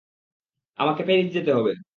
আমাকে প্যারিস যেতে হবে।